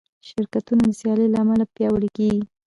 شرکتونه د سیالۍ له امله پیاوړي کېږي.